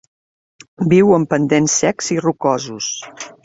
Viu en pendents secs i rocosos.